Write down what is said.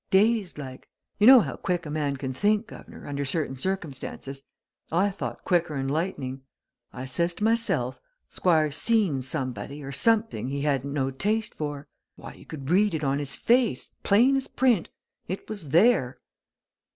Dazed, like. You know how quick a man can think, guv'nor, under certain circumstances? I thought quicker'n lightning. I says to myself 'Squire's seen somebody or something he hadn't no taste for!' Why, you could read it on his face! plain as print. It was there!"